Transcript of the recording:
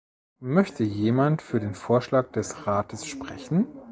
Möchte jemand für den Vorschlag des Rates sprechen?